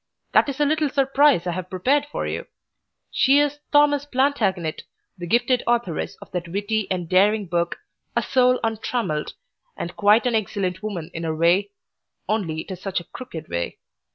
That is a little surprise I have prepared for you. She is 'Thomas Plantagenet,' the gifted authoress of that witty and daring book, "A Soul Untrammelled," and quite an excellent woman in her way, only it is such a crooked way.